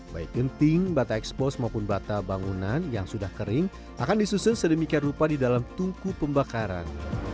baik genting bata ekspos maupun bata bangunan yang sudah kering akan disusun sedemikian rupa di dalam tungku pembakaran